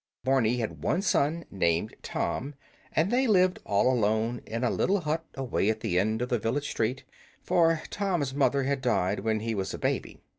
Barney had one son, named Tom; and they lived all alone in a little hut away at the end of the village street, for Tom's mother had died when he was a baby.